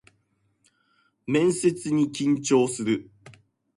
面接に緊張する